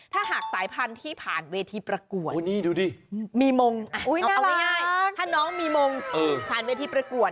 ถ้าหากสายพันธุ์ที่ผ่านเวทีประกวดมีมงเอาง่ายถ้าน้องมีมงผ่านเวทีประกวด